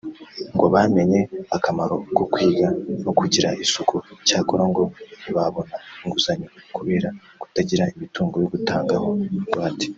ngo bamenye akamaro ko kwiga no kugira isuku cyakora ngo ntibabona inguzanyo kubera kutagira imitungo yo gutangaho ingwate